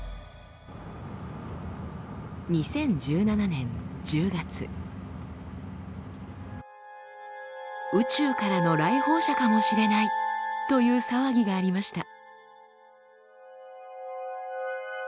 ２０１７年１０月宇宙からの来訪者かもしれないという騒ぎがありました。